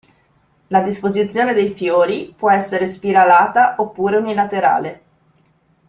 La disposizione dei fiori può essere spiralata oppure unilaterale.